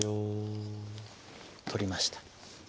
取りました。